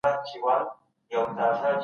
خلګ په خوښۍ کي شراب څښي.